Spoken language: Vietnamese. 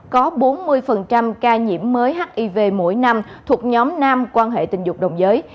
có bốn mươi ca nhiễm mới hiv mỗi năm thuộc nhóm nam quan hệ tình dục đồng giới